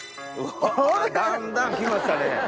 だんだん来ましたね。